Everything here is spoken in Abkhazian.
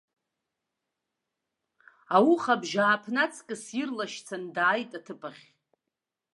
Ауха абжьааԥны аҵкыс ирлашьцаны дааит аҭыԥ ахь.